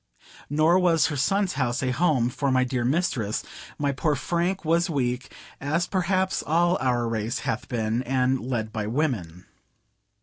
Nor was her son's house a home for my dear mistress; my poor Frank was weak, as perhaps all our race hath been, and led by women.